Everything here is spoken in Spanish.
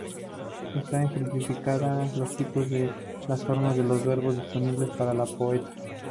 Ésta ejemplifica los tipos de las formas de los versos disponibles para el poeta.